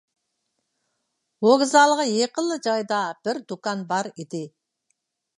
ۋوگزالغا يېقىنلا جايدا بىر دۇكان بار ئىدى.